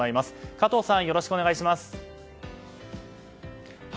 加藤さん、よろしくお願いします。